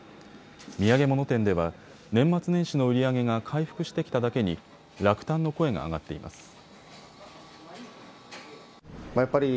土産物店では年末年始の売り上げが回復してきただけに落胆の声が上がっています。